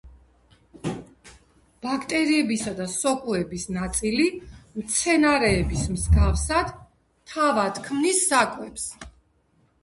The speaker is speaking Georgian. ამასთან, ჩანაწერი მიმოიხილავს პოლიტიკურ თემებს და ადამიანების ტანჯვას.